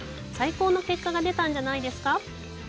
最高の結果が出たんじゃないですか？